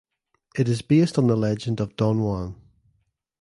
It is based on the legend of Don Juan.